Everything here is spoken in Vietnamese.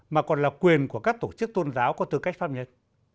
mà còn là quyền của các tổ chức tôn giáo có tư cách pháp nhân